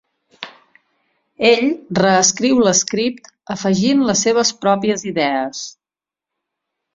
Ell reescriu l'script afegint les seves pròpies idees.